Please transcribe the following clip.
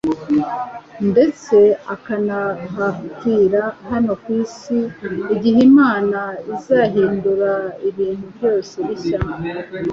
ndetse akanahapfira, hano ku isi igihe Imana izahindura ibintu byose bishya